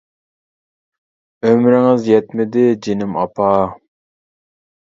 ئۆمرىڭىز يەتمىدى جېنىم ئاپا .